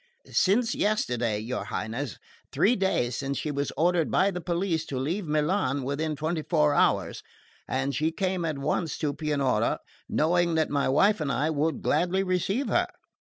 "Since yesterday, your Highness. Three days since she was ordered by the police to leave Milan within twenty four hours, and she came at once to Pianura, knowing that my wife and I would gladly receive her.